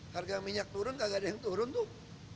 harga minyak turun kagak ada yang turun tuh